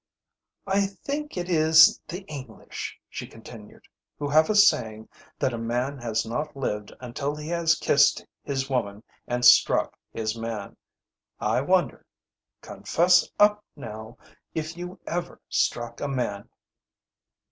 "I think it is the English," she continued, "who have a saying that a man has not lived until he has kissed his woman and struck his man. I wonder confess up, now if you ever struck a man."